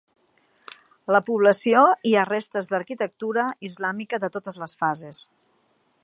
A la població hi ha restes d'arquitectura islàmica de totes les fases.